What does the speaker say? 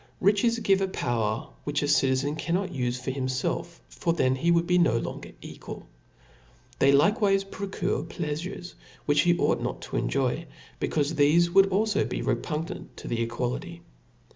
Riches give a power which a citizen cannot ufe for himfelf, for then he would be no longer equal. They likewife procure pleafures which he ought not to enjoy, be caufe thefe would be alfo repugnant to the equality.